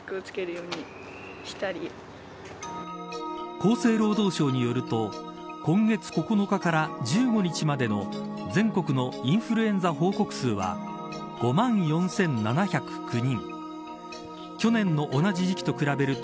厚生労働省によると今月９日から１５日までの全国のインフルエンザ報告数は５万４７０９人。